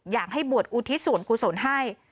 อยากให้บวชอุทิศส่วนกุศลให้